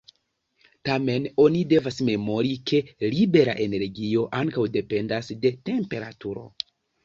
Tamen, oni devas memori ke libera energio ankaŭ dependas de temperaturo.